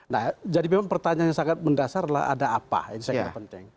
nah jadi memang pertanyaan yang sangat mendasar adalah ada apa ini saya kira penting